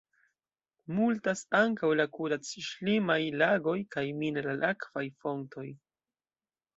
Multas ankaŭ la kurac-ŝlimaj lagoj kaj mineral-akvaj fontoj.